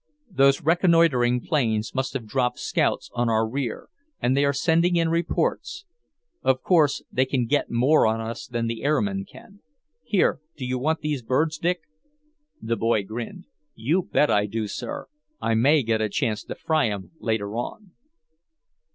Those reconnoitering planes must have dropped scouts on our rear, and they are sending in reports. Of course, they can get more on us than the air men can. Here, do you want these birds, Dick?" The boy grinned. "You bet I do, sir! I may get a chance to fry 'em, later on."